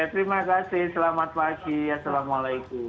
terima kasih selamat pagi assalamualaikum